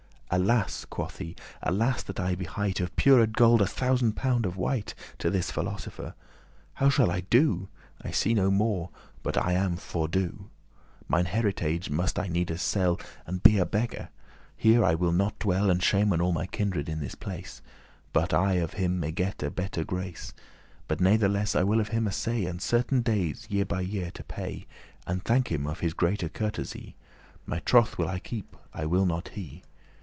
"Alas!" quoth he, "alas that I behight* *promised Of pured* gold a thousand pound of weight *refined To this philosopher! how shall I do? I see no more, but that I am fordo.* *ruined, undone Mine heritage must I needes sell, And be a beggar; here I will not dwell, And shamen all my kindred in this place, But* I of him may gette better grace. *unless But natheless I will of him assay At certain dayes year by year to pay, And thank him of his greate courtesy. My trothe will I keep, I will not he."